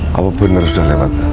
kau bener sudah lewat pak